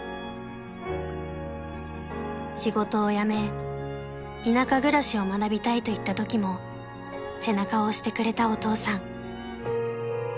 ［仕事を辞め田舎暮らしを学びたいと言ったときも背中を押してくれたお父さん］